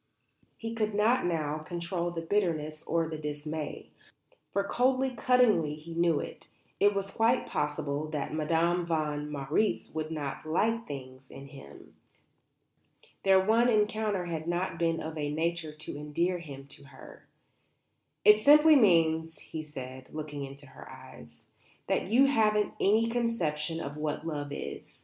He could not now control the bitterness or the dismay; for, coldly, cuttingly he knew it, it was quite possible that Madame von Marwitz would not "like things" in him. Their one encounter had not been of a nature to endear him to her. "It simply means," he said, looking into her eyes, "that you haven't any conception of what love is.